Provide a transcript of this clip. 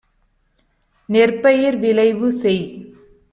நெற்பயிர் விளைவு செய்.